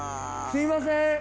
すみません。